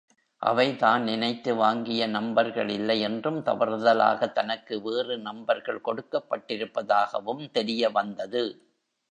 அவை தான் நினைத்து வாங்கிய நம்பர்கள் இல்லை என்றும், தவறுதலாக தனக்கு வேறு நம்பர்கள் கொடுக்கப்பட்டிருப்பதாகவும், தெரிய வந்தது.